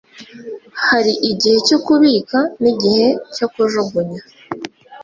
hari igihe cyo kubika, n'igihe cyo kujugunya